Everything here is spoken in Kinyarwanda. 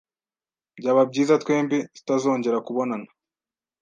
Byaba byiza twembi tutazongera kubonana.